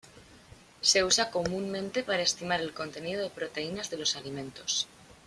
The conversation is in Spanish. Se usa comúnmente para estimar el contenido de proteínas de los alimentos.